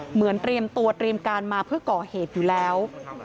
เหมือนเตรียมตัวเตรียมการมาเพื่อก่อเหตุอยู่แล้ว